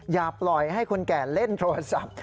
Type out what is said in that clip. อย่าปล่อยให้คนแก่เล่นโทรศัพท์